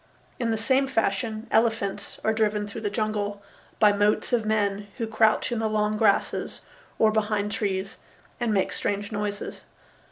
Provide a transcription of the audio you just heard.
In the same fashion elephants are driven through the jungle by motes of men who crouch in the long grasses or behind trees and make strange noises.